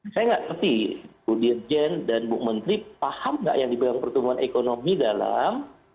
saya tidak seperti bu dirjen dan bu menteri paham tidak yang diberikan pertumbuhan ekonomi dalam